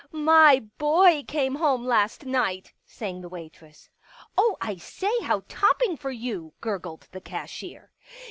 " My boy came home last night," sang the waitress. " Oh, I say — how topping for you !" gurgled the cashier.